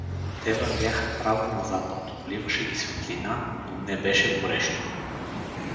Те вървяха право на запад, обливаше ги светлина, но не беше горещо.